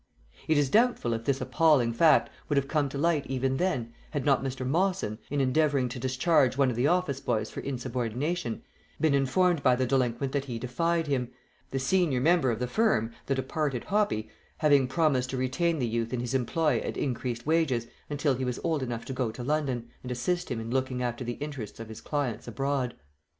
It is doubtful if this appalling fact would have come to light even then, had not Mr. Mawson, in endeavouring to discharge one of the office boys for insubordination, been informed by the delinquent that he defied him; the senior member of the firm, the departed Hoppy, having promised to retain the youth in his employ at increased wages, until he was old enough to go to London, and assist him in looking after the interests of his clients abroad.